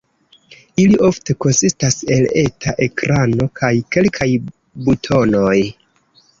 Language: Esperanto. Ili ofte konsistas el eta ekrano kaj kelkaj butonoj.